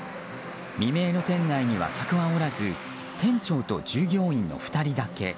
未明の店内には客はおらず店長と従業員の２人だけ。